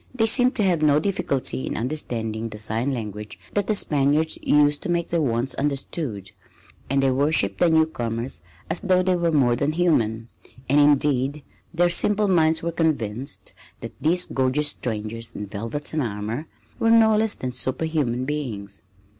They seemed to have no difficulty in understanding the sign language that the Spaniards used to make their wants understood, and they worshipped the newcomers as though they were more than human, and indeed their simple minds were convinced that these gorgeous strangers in velvet and armor were no less than superhuman beings.